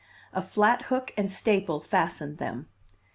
A flat hook and staple fastened them.